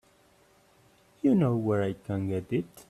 You know where I can get it?